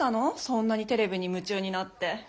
そんなにテレビにむちゅうになって。